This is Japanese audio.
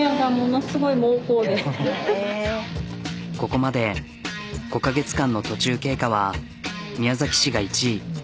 ここまで５カ月間の途中経過は宮崎市が１位。